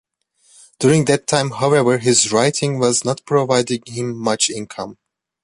During that time, however, his writing was not providing him much income.